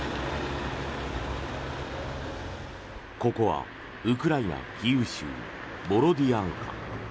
ここはウクライナ・キーウ州ボロディアンカ。